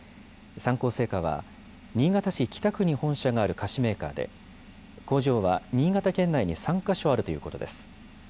三幸製菓は、新潟市北区に本社がある菓子メーカーで、工場は新潟県内に３か所あるということです。